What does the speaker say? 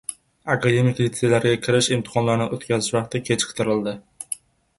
Akademik litseylarga kirish imtihonlarini o‘tkazish vaqti kechiktirildi